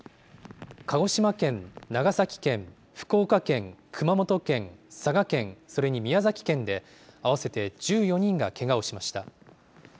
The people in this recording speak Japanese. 鹿児島県、長崎県、福岡県、熊本県、佐賀県、それに宮崎県で、合わせて１４人がけがをしました。